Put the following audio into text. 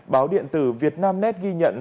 báo điện từ vietnamnet ghi nhận